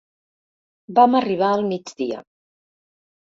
Vam arribar al migdia.